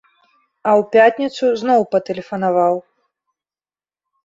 А ў пятніцу зноў патэлефанаваў.